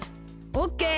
オッケー！